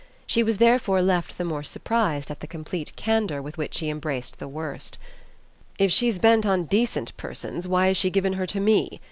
She was therefore left the more surprised at the complete candour with which he embraced the worst. "If she's bent on decent persons why has she given her to ME?